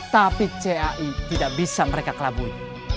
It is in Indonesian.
tapi cai tidak bisa mereka kelabui